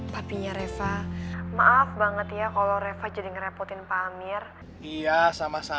pak rt nya udah pulang mas